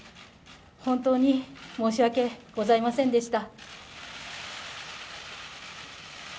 本当に申し訳ございませんでした。